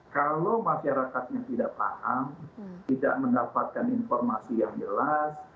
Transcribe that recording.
kalau masyarakatnya tidak paham tidak mendapatkan informasi yang jelas